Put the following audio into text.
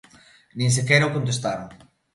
Nin sequera o contestaron.